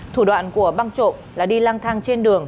thủ đoạn của băng trộm là đi lang thang trên đường